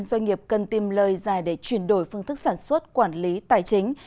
doanh nghiệp cần tìm lời dài để chuyển đổi phương thức sản xuất quản lý tài chính